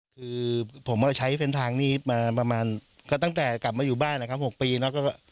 คือผมใช้เส้นทางนี้มาประมาณก็ตั้งแต่กลับมาอยู่บ้านนะครับ๖ปีเนาะ